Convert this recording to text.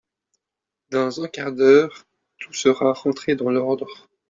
Dans un quart d’heure, tout sera rentré dans l’ordre.